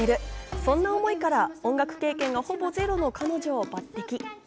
そんな思いから音楽経験がほぼゼロの彼女を抜擢。